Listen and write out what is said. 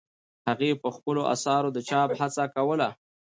هغې په خپلو اثارو د چاپ هڅه کوله.